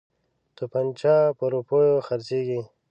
توپنچه په روپیو خرڅیږي.